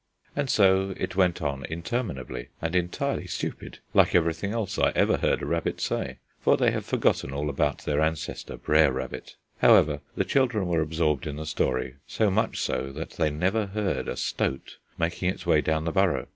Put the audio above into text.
And so it went on interminably, and entirely stupid, like everything else I ever heard a rabbit say, for they have forgotten all about their ancestor, Brer Rabbit. However, the children were absorbed in the story, so much so that they never heard a stoat making its way down the burrow.